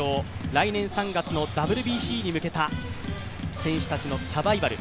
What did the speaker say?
来年３月のＷＢＣに向けた選手たちのサバイバル。